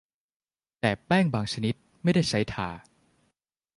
แต่แป้งบางชนิดไม่ได้ใช้ทา